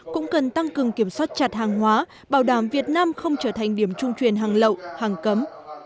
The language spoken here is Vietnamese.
cũng cần tăng cường kiểm soát chặt hàng hóa bảo đảm việt nam không trở thành điểm trung truyền hàng lậu hàng cấm